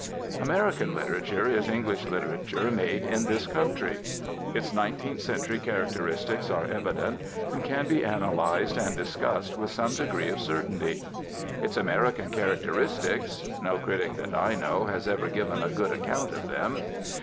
American literature is English literature made in this country. Its nineteenth century characteristics are evident and can be analyzed and discussed with some degree of certainty. Its "American" characteristics no critic that I know has ever given a good account of them.